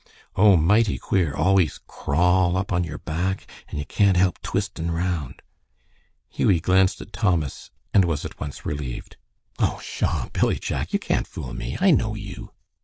"Oh, mighty queer. Always crawl up on your back, and ye can't help twistin' round." Hughie glanced at Thomas and was at once relieved. "Oh, pshaw! Billy Jack, you can't fool me. I know you."